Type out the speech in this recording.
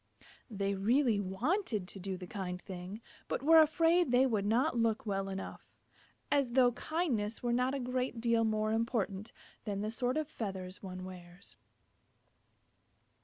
They really wanted to do the kind thing, but were afraid they did not look well enough. As though kindness were not a great deal more important than the sort of feathers one wears!